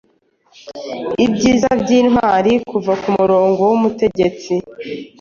Ibyiza byintwari kuva kumurongo wumutegetsi